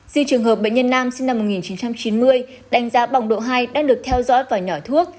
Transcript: dù trường hợp bệnh nhân nam sinh năm một nghìn chín trăm chín mươi đánh giá bỏng độ hai đã được theo dõi và nhỏ thuốc